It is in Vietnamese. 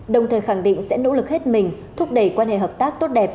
đồng thời khẳng định sẽ nỗ lực hết mình thúc đẩy quan hệ hợp tác tốt đẹp